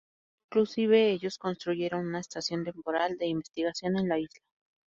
Inclusive ellos construyeron una estación temporal de investigación en la isla.